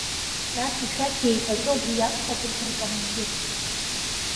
Нас, ишәақь еиҵаҵо абри иакәхап урҭ ркомандир!